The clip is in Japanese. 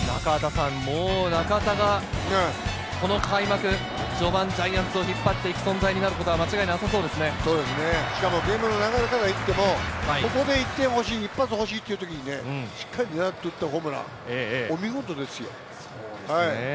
中田がもうこの開幕序盤、ジャイアンツを引っ張っていく存在になしかもゲームの流れからいってもここで１点欲しい、一発ほしいという時にねらっていったホームラン、お見事ですよ。